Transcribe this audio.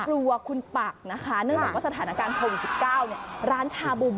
กลัวคุณปักนะคะแน่นแหงว่าสถานการณ์โควิดสิบเก้านี่ร้านฉาบูม